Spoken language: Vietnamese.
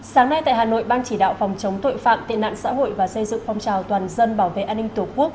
sáng nay tại hà nội ban chỉ đạo phòng chống tội phạm tệ nạn xã hội và xây dựng phong trào toàn dân bảo vệ an ninh tổ quốc